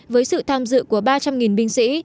với sự tham dự của ba trăm linh binh sĩ